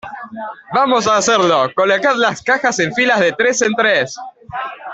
vamos a hacerlo. colocad las cajas en filas de tres en tres .